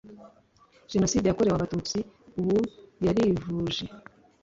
Jenoside yakorewe abatutsi ubu yarivuje